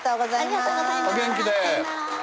お元気で。